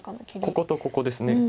こことここですね。